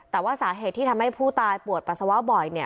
แต่ว่าสาเหตุที่ทำให้ผู้ตายปวดปัสสาวะบ่อย